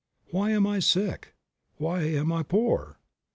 Why am I sick ? Why am I poor?"